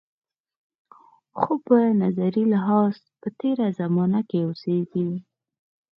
خو په نظري لحاظ په تېره زمانه کې اوسېږي.